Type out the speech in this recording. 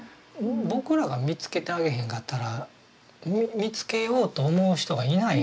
僕らが見つけてあげへんかったら見つけようと思う人がいない。